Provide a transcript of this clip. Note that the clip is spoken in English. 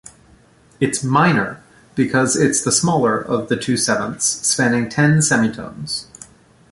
It's "minor" because it's the smaller of the two sevenths, spanning ten semitones.